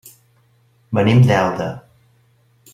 Venim d'Elda.